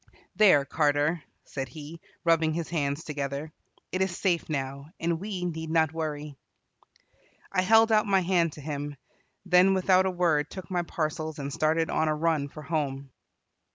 "There, Carter," said he, rubbing his hands together, "it is safe now, and we need not worry." I held out my hand to him, then without a word took my parcels and started on a run for home.